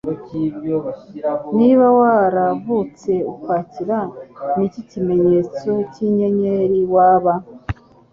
Niba Waravutse Ukwakira Niki kimenyetso cyinyenyeri Waba?